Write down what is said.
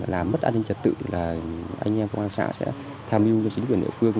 làm mất an ninh trật tự anh em công an xã sẽ tham dự cho chính quyền địa phương